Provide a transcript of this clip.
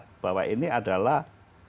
mengatakan bahwa ini adalah